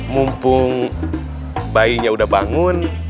mumpung bayinya udah bangun